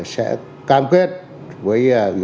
sẽ cam kết với